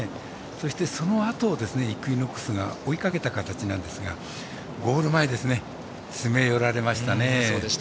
そして、そのあとイクイノックスが追いかけた形なんですがゴール前、詰め寄られましたね。